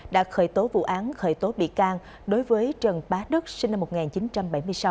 đã khởi tố vụ án khởi tố bị can đối với trần bá đức sinh năm một nghìn chín trăm bảy mươi sáu